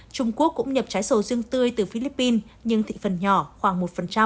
trung quốc cũng nhập trái sầu riêng tươi từ philippines nhưng thị phần nhỏ khoảng một